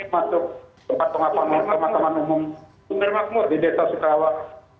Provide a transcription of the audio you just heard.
ini masuk tempat pemakaman umum di deta sukrawak